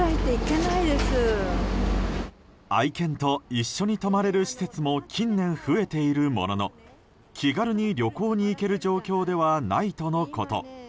愛犬と一緒に泊まれる施設も近年増えているものの気軽に旅行に行ける状況ではないとのこと。